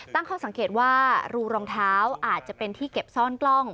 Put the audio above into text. ตั้งข้อสังเกตว่ารูรองเท้าอาจจะเป็นที่เก็บซ่อนกล้อง